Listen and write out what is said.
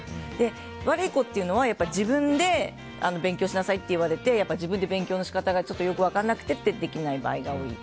悪い子っていうのは自分で勉強しなさいって言われて自分で勉強の仕方がよく分からなくてできない場合が多い。